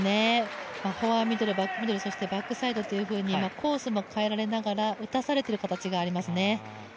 フォアミドル、バックミドルバックサイドというふうにコースも変えられながら打たされている形がありますね。